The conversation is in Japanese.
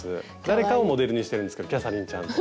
誰かをモデルにしてるんですけどキャサリンちゃんの。